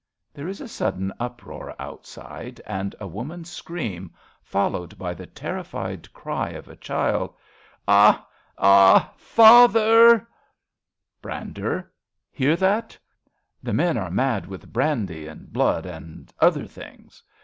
{There is a sudden uproar outside^ and a woman's scream, followed by the ter'iHfied cry of a child.) Ah ! Ah ! Father ! 25 RADA Brander. Hear that. The men are mad with brandy and blood and — other things.